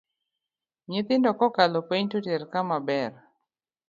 Nyithindo kokalo penj toter kama ber